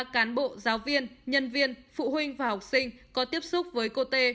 một trăm bảy mươi ba cán bộ giáo viên nhân viên phụ huynh và học sinh có tiếp xúc với cô t